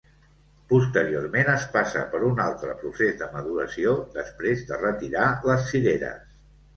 Posteriorment es passa per un altre procés de maduració després de retirar les cireres.